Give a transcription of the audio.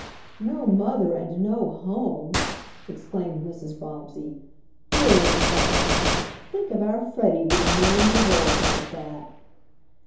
"No mother and no home!" exclaimed Mrs. Bobbsey. "Dear little fellow! Think of our Freddie being alone in the world like that!"